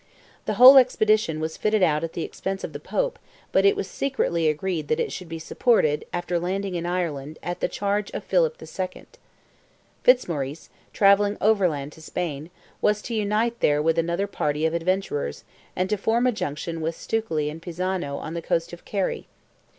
The whole expedition was fitted out at the expense of the Pope, but it was secretly agreed that it should be supported, after landing in Ireland, at the charge of Philip II. Fitzmaurice, travelling overland to Spain, was to unite there with another party of adventurers, and to form a junction with Stukely and Pisano on the coast of Kerry.